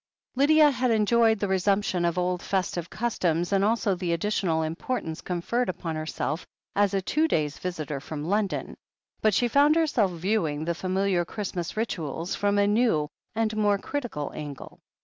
Lydia had enjoyed the resumption of old festive cus toms and also the additional importance conferred upon herself as a two days* visitor from London, but she found herself viewing the familiar Christmas rituals from a new and more critical angle.